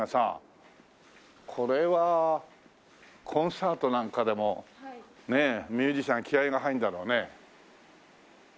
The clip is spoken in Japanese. これはコンサートなんかでもミュージシャン気合が入るんだろうね。